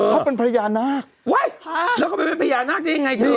เขาเป็นพญานาคแล้วก็ไปเป็นพญานาคได้ยังไงเธอ